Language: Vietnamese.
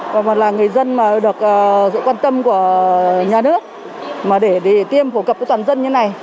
còn một là người dân mà được sự quan tâm của nhà nước mà để đi tiêm phổ cập cho toàn dân như này